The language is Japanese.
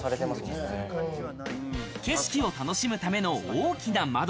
景色を楽しむための大きな窓。